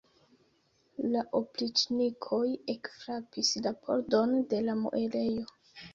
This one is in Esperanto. La opriĉnikoj ekfrapis la pordon de la muelejo.